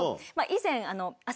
以前。